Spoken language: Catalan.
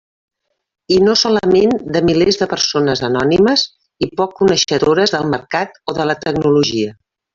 I no solament de milers de persones anònimes i poc coneixedores del mercat o de la tecnologia.